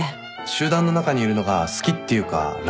集団の中にいるのが好きっていうか楽？